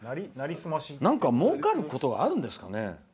なんかもうかることがあるんですかね。